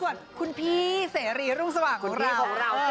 สวัสดิ์คุณพี่เซรีส์รุ่งสว่างของเรา